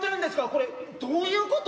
これどういうこと？